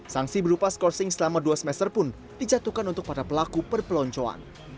sanksi berupa skorsing selama dua semester pun dijatuhkan untuk para pelaku perpeloncoan